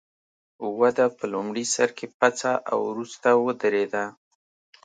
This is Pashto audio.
وده په لومړي سر کې پڅه او وروسته ودرېده.